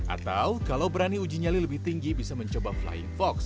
atau kalau berani uji nyali lebih tinggi bisa mencoba flying fox